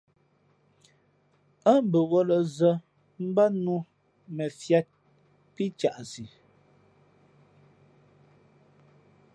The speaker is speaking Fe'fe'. Ά bαwᾱlᾱ zᾱ mbát nnǔ mα fiāt pí caʼsi.